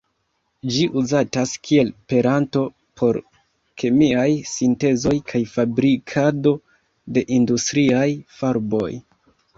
Ĝi uzatas kiel peranto por kemiaj sintezoj kaj fabrikado de industriaj farboj.